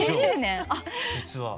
実は。